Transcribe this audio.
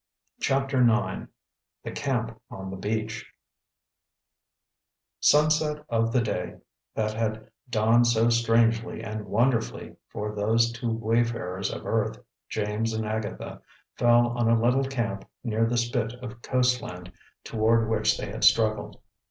CHAPTER IX THE CAMP ON THE BEACH Sunset of the day that had dawned so strangely and wonderfully for those two wayfarers of earth, James and Agatha, fell on a little camp near the spit of coast land toward which they had struggled.